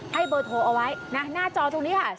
ให้เบอร์โทรเอาไว้นะหน้าจอตรงนี้ค่ะ